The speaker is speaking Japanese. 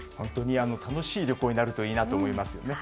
楽しい旅行になるといいなと思いますね。